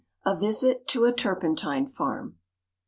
A VISIT TO A TURPENTINE FARM.